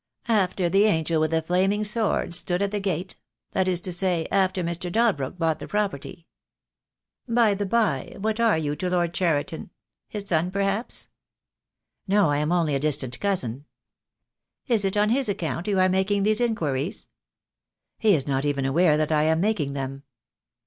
"After the angel with the naming sword stood at the gate — that is to say, after Mr. Dalbrook bought the pro THE DAY WILL COME. 257 perty. By the by, what are you to Lord Cheriton? His son perhaps?" "No, I am only a distant cousin." "Is it on his account you are making these inquiries?" "He is not even aware that I am making them."